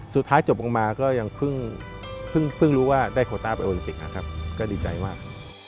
สุดท้ายจบลงมาก็ยังเพิ่งรู้ว่าได้โคต้าไปโอลิมปิกนะครับก็ดีใจมาก